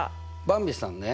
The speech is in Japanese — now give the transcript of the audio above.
ばんびさんね